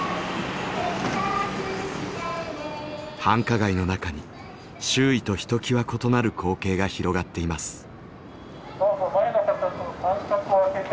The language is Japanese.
繁華街の中に周囲とひときわ異なる光景が広がっています。